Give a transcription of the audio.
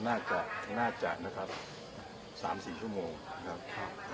น่าจะน่าจะนะครับสามสี่ชั่วโมงครับครับ